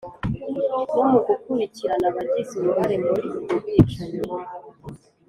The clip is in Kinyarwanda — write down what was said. no mu gukurikirana abagize uruhare muri ubwo bwicanyi,